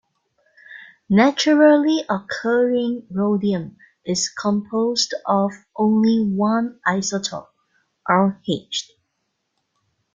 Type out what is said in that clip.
Naturally occurring rhodium is composed of only one isotope, Rh.